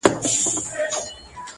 تاریخ د عبرت درس ورکوي